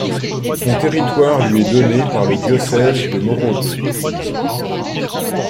Son territoire lui est donné par le diocèse de Moroto.